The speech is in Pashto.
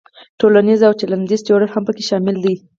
تولنیز او چلندیز جوړښت هم پکې شامل دی.